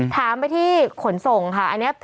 ถามไปที่ขนส่งค่ะ